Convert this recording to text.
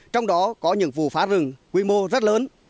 trong đó có những vụ phá rừng quy mô rất lớn